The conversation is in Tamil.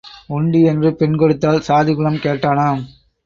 உண்டு என்று பெண் கொடுத்தால் சாதிகுலம் கேட்டானாம்.